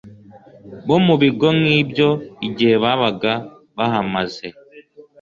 bo mu bigo nkibyo igihe babaga bahamaze